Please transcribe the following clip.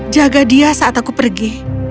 jaga dia saat aku pergi